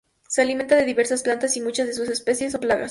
Se alimentan de diversas plantas, y muchas de sus especies son plagas.